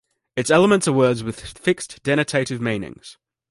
Its elements are words with fixed denotative meanings.